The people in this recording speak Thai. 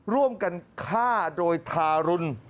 ร่วมกันฆ่าโดยทารุณ